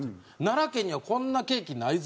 「奈良県にはこんなケーキないぞ」